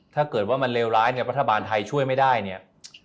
ถ้าเกิดว่ามันเลวร้ายเนี่ยรัฐบาลไทยช่วยไม่ได้เนี่ย